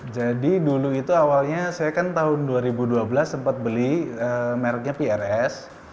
jadi dulu itu awalnya saya kan tahun dua ribu dua belas sempat beli merknya prs